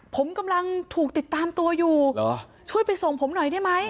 ผมกำลังถูกติดตามตัวอยู่ช่วยไปส่งผมหน่อยได้ไหม